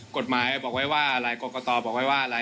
กฎหมายบอกไว้ว่าอะไรกรกตบอกไว้ว่าอะไร